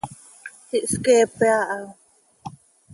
Ihsqueepe aha.